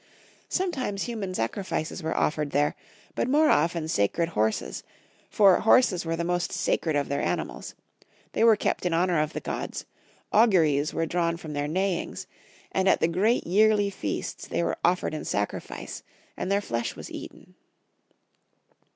Sometimes human sacri fices were offered there, but more often sacred horses, for horses were the most sacred of their animals: they were kept in honor of the gods, auguries were drawn from their neighings, and at the great yearly feasts they were offered in sacri fice, and their flesh was eaten.